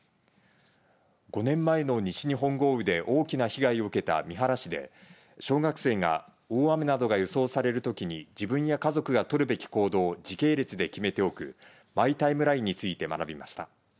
５年前の西日本豪雨で大きな被害を受けた三原市で小学生が大雨などが予想されるときに自分や家族が取るべき行動を時系列で決めておくマイタイムラインについて学びました。